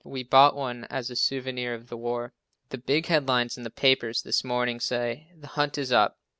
We bought one as a souvenir of the war. The big headlines in the papers this morning say, "The hunt is up.